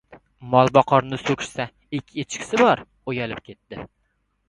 • Molboqarni so‘kishsa, ikki echkisi bor uyalib ketdi.